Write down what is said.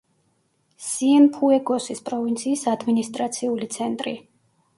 სიენფუეგოსის პროვინციის ადმინისტრაციული ცენტრი.